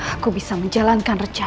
aku bisa menjalankan rencanaku